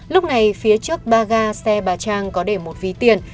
lúc này phía trước ba ga xe bà trang có để một ví tiền